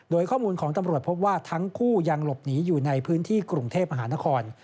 โดยข้อมูลของตำรวจพบว่าทั้งคู่ยังหลบหนีอยู่ในพื้นที่กรุงเทพมหานคร